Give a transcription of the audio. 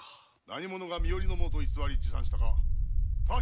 何者が身寄りの者と偽り持参したか直ちに探索を。